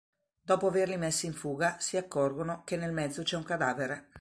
Dopo averli messi in fuga si accorgono che nel mezzo c'è un cadavere.